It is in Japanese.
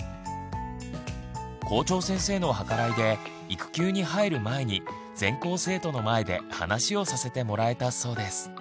校長先生の計らいで育休に入る前に全校生徒の前で話をさせてもらえたそうです。